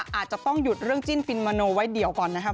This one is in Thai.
อาจจะต้องหยุดเรื่องจิ้นฟินมโนไว้เดี่ยวก่อนนะครับ